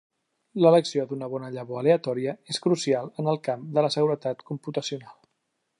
L'elecció d'una bona llavor aleatòria és crucial en el camp de la seguretat computacional.